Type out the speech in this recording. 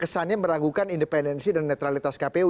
kesannya meragukan independensi dan netralitas kpu